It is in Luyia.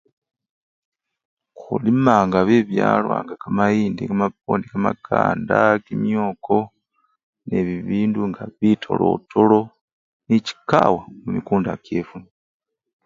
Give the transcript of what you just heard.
Khulimanga bibyalwa nga kamayindi kamapwondi kamakanda kimyoko nebibindu nga bitolotolo nechikawa mumikunda kyefwe.